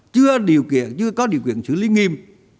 chưa có điều kiện xử lý nghiêm